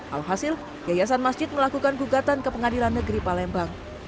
alhasil yayasan masjid melakukan gugatan ke pengadilan negeri palembang